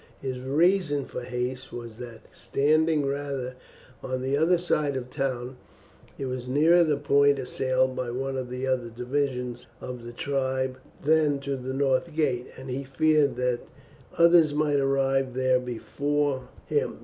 His reason for haste was that, standing rather on the other side of the town, it was nearer the point assailed by one of the other divisions of the tribe than to the north gate, and he feared that others might arrive there before him.